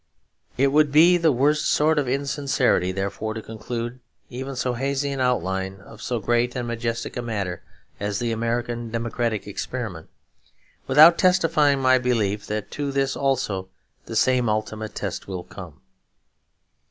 It would be the worst sort of insincerity, therefore, to conclude even so hazy an outline of so great and majestic a matter as the American democratic experiment, without testifying my belief that to this also the same ultimate test will come.